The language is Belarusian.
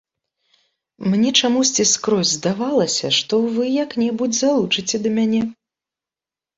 Мне чамусьці скрозь здавалася, што вы як-небудзь залучыце да мяне.